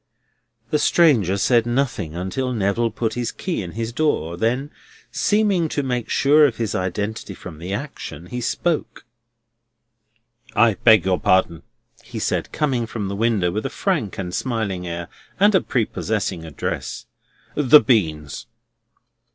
The stranger said nothing until Neville put his key in his door; then, seeming to make sure of his identity from the action, he spoke: "I beg your pardon," he said, coming from the window with a frank and smiling air, and a prepossessing address; "the beans."